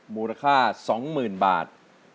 มูลค่า๒๐๐๐บาท